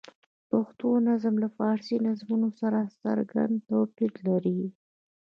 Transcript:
پښتو نظم له فارسي نظمونو سره څرګند توپیر لري.